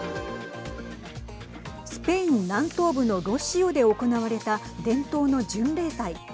スペイン南東部のロシオで行われた伝統の巡礼祭。